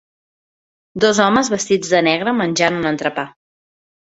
Dos homes vestits de negre menjant un entrepà.